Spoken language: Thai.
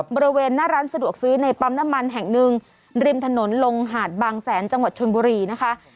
บริเวณหน้าร้านสะดวกซื้อในปั๊มน้ำมันแห่งหนึ่งริมถนนลงหาดบางแสนจังหวัดชนบุรีนะคะ